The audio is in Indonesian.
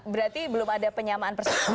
berarti belum ada penyamaan persetujuan